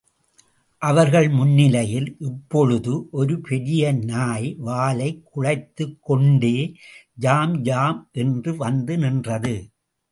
அவர்கள் முன்னிலையில் இப்பொழுது ஒரு பெரிய நாய் வாலைக் குழைத்துக் கொண்டே ஜாம் ஜாம் என்று வந்து நின்றது.